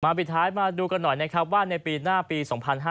ปิดท้ายมาดูกันหน่อยนะครับว่าในปีหน้าปี๒๕๕๙